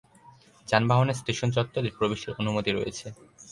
যানবাহনের স্টেশন চত্বরে প্রবেশের অনুমতি রয়েছে।